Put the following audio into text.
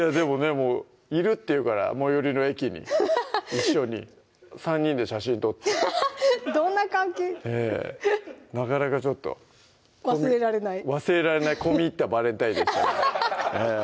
もういるって言うから最寄りの駅に一緒に３人で写真撮ってどんな関係なかなかちょっと忘れられない忘れられない込み入ったバレンタインでしたね